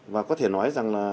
và có thể nói rằng